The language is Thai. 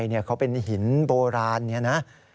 แต่เขาเป็นหินโบราณอย่างนี้นะ